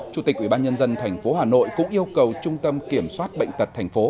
chủ tịch ủy ban nhân dân thành phố hà nội cũng yêu cầu trung tâm kiểm soát bệnh tật thành phố